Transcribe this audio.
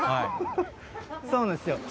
そうなんですよ。